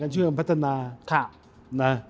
ช่วยกันพัฒนา